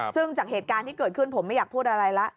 ซึ่งจากเหตุการณ์ที่เกิดขึ้นผมไม่อยากพูดอะไรแล้ว